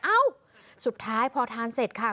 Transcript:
เอ้าสุดท้ายพอทานเสร็จค่ะ